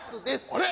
あれ？